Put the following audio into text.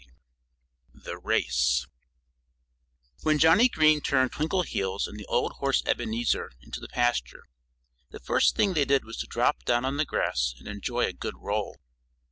IX THE RACE When Johnnie Green turned Twinkleheels and the old horse Ebenezer into the pasture, the first thing they did was to drop down on the grass and enjoy a good roll.